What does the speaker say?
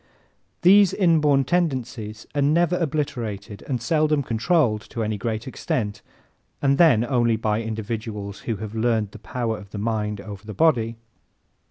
These inborn tendencies are never obliterated and seldom controlled to any great extent, and then only by individuals who have learned the power of the mind over the body.